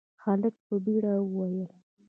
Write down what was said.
هلک په بيړه وويل: